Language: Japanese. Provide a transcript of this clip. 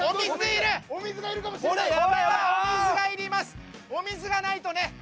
お水がないとね。